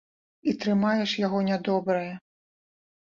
І трымае ж яго нядобрае!